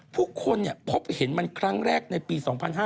ผู้คนพบเห็นมันครั้งแรกในปี๒๕๕๙